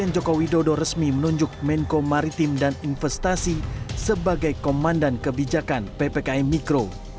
jokowi dodo resmi menunjuk menko maritim dan investasi sebagai komandan kebijakan ppkm mikro